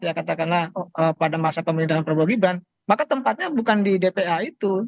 ya katakanlah pada masa pemerintahan prabowo gibran maka tempatnya bukan di dpa itu